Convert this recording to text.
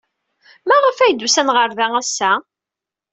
Maɣef ay d-usan ɣer da ass-a?